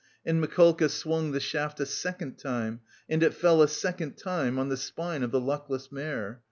And Mikolka swung the shaft a second time and it fell a second time on the spine of the luckless mare.